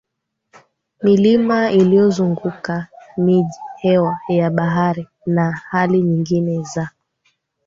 Milima inayozunguka miji hewa ya bahari na hali nyingine za